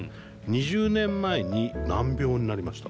「２０年前に難病になりました。